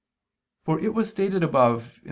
For it was stated above (I II, Q.